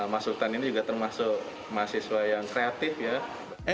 mas sultan ini juga termasuk mahasiswa yang kreatif ya